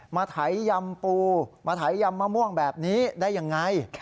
ไถยำปูมาไถยำมะม่วงแบบนี้ได้ยังไง